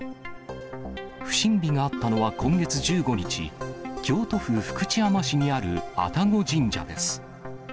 不審火があったのは今月１５日、京都府福知山市にある愛宕神社です。